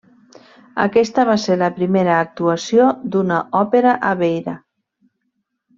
Aquesta va ser la primera actuació d'una òpera a Beira.